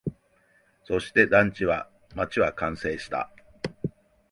そして、団地は、街は完成した